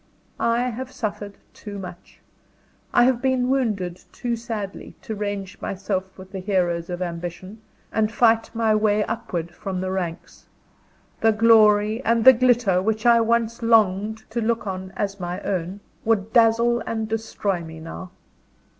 I have suffered too much; I have been wounded too sadly, to range myself with the heroes of Ambition, and fight my way upward from the ranks. The glory and the glitter which I once longed to look on as my own, would dazzle and destroy me, now.